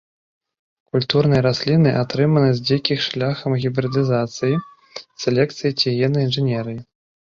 Культурныя расліны атрыманы з дзікіх шляхам гібрыдызацыі, селекцыі ці геннай інжынерыі.